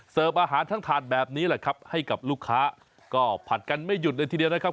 อาหารทั้งถาดแบบนี้แหละครับให้กับลูกค้าก็ผัดกันไม่หยุดเลยทีเดียวนะครับ